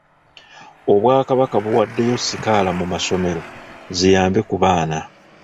Obwakabaka buwaddeyo sikaala mu masomero ziyambe ku baana.